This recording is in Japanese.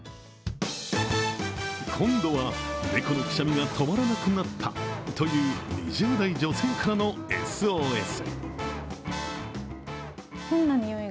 今度は猫のくしゃみが止まらなくなったという２０代女性からのＳＯＳ。